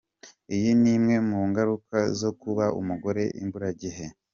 Iyi ni imwe mu ngaruka zo kuba umugore imburagihe.